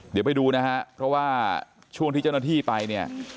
เดี๋ยวไปดูนะฮะเพราะว่าช่วงที่เจ้าหน้าที่ไปเนี่ย